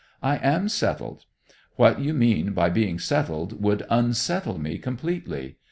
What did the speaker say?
I am settled. What you mean by being settled, would unsettle me, completely.